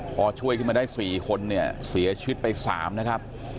พอช่วยขึ้นมาได้๔คนเนี่ยเสียชีวิตไป๓นะครับ